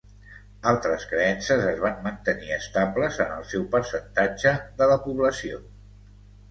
Altres creences es van mantenir estables en el seu percentatge de la població.